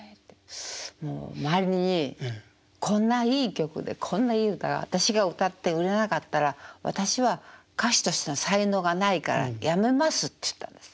もう周りにこんないい曲でこんないい歌が私が歌って売れなかったら私は歌手としての才能がないから辞めますって言ったんです。